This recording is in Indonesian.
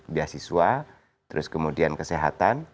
biasiswa terus kemudian kesehatan